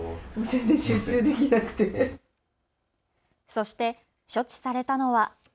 そして処置されたのは。